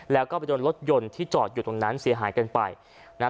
แล้วก็ไปโดนรถยนต์ที่จอดอยู่ตรงนั้นเสียหายกันไปนะฮะ